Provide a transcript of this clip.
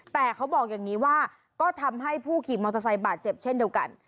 แต่เขาบอกอย่างนี้ว่าก็ทำให้ผู้ขี่มอเตอร์ไซค์บาดเจ็บเช่นเดียวกัน